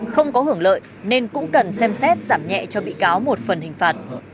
không có hưởng lợi nên cũng cần xem xét giảm nhẹ cho bị cáo một phần hình phạt